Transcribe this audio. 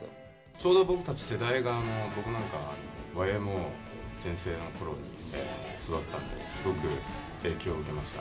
ちょうど僕たち世代が僕なんかＹ．Ｍ．Ｏ．全盛の頃に育ったんですごく影響を受けました。